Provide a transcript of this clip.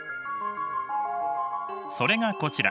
それがこちら。